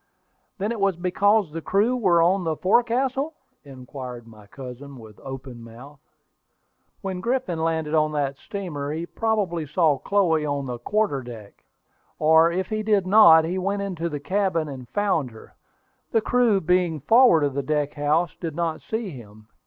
"Then it was because the crew were on the forecastle?" inquired my cousin, with open mouth. "When Griffin landed from that steamer, he probably saw Chloe on the quarter deck, or if he did not, he went into the cabin and found her. The crew being forward of the deck house did not see him.